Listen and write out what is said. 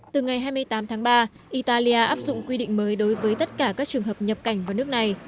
từ ngày hai mươi tám tháng ba italia áp dụng quy định mới đối với tất cả các trường hợp nhập cảnh vào nước này